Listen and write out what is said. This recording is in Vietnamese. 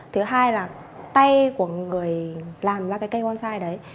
thứ hai là tay của người làm ra cái cây bonsai đấy